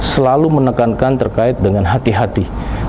selalu menekankan terkait dengan hati hati